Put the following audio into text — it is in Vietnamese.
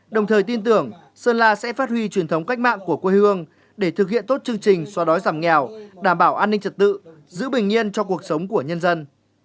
đồng thời tin tưởng sơn la sẽ phát huy truyền thống cách mạng của quê hương để thực hiện tốt chương trình xóa đói giảm nghèo đảm bảo an ninh trật tự giữ bình yên cho cuộc sống của nhân dân